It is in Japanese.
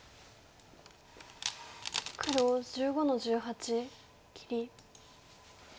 黒１５の十八切り。